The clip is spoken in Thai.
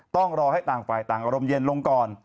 ต้องรอให้ต่างฝ่ายต่างอารมณ์เย็นลงก่อน